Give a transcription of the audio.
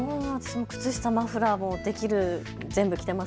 靴下、マフラーも全部着ています。